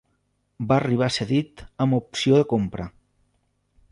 Va arribar cedit amb opció de compra.